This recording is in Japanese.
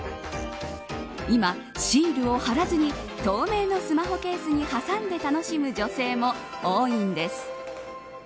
今シールを貼らずに透明のスマホケースに挟んで楽しむ女性も多いんです。